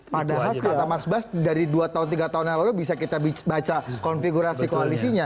padahal kata mas bas dari dua tahun tiga tahun yang lalu bisa kita baca konfigurasi koalisinya